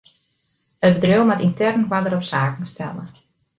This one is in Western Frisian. It bedriuw moat yntern oarder op saken stelle.